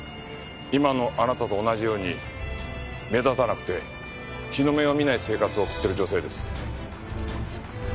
今のあなたと同じように目立たなくて日の目を見ない生活を送っている女性です。